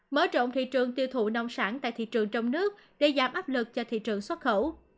mở rộng thị trường tiêu thụ nông sản tại thị trường trong nước để giảm áp lực cho thị trường xuất khẩu